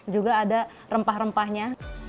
juga ada rempah rempahnya